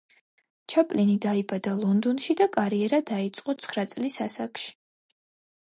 ჩაპლინი დაიბადა ლონდონში და კარიერა დაიწყო ცხრა წლის ასაკში.